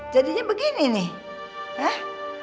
jadinya begini nih